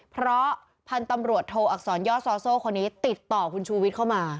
เพราะพันธุ์ตำรวจโทอักษรย่อซอโซ่คนนี้ติดต่อคุณชูวิทย์เข้ามา